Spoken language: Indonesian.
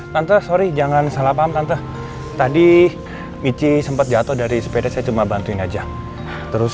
tante sorry jangan salah paham tante tadi michi sempat jatuh dari sepeda saya cuma bantuin aja terus